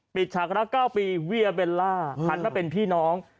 ฉากรัก๙ปีเวียเบลล่าหันมาเป็นพี่น้อง